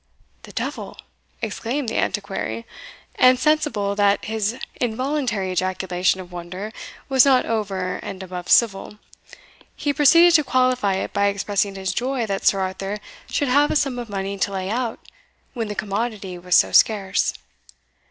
"The devil!" exclaimed the Antiquary; and, sensible that his involuntary ejaculation of wonder was not over and above civil, he proceeded to qualify it by expressing his joy that Sir Arthur should have a sum of money to lay out when the commodity was so scarce.